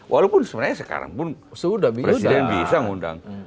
walaupun sebenarnya sekarang presiden bisa mengundang